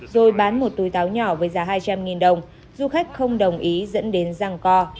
rồi bán một túi táo nhỏ với giá hai trăm linh đồng du khách không đồng ý dẫn đến răng co